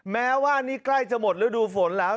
แม้ว่านี่ใกล้จะหมดฤดูฝนแล้ว